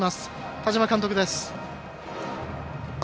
田島監督です。